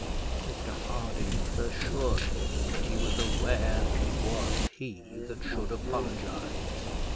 Mr Harding assured him that he was aware that it was he that should apologise.